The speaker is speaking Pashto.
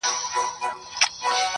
که دښمن لرې په ښار کي راته وایه،